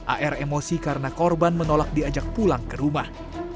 ar emosi karena korban menolak diajak pulang ke rumah